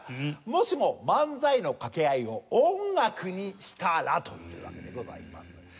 「もしも漫才の掛け合いを音楽にしたら？」というわけでございます。